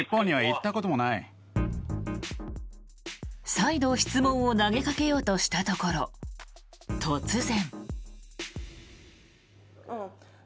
再度、質問を投げかけようとしたところ突然。